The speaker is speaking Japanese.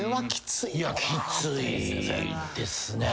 いやきついですね。